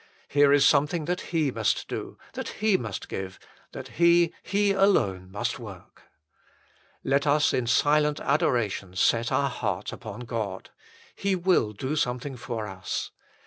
Here is something that HE must do, that He must give, that HE, HE ALONE, must work. Let us in silent adoration set our heart upon God : He will do something for us.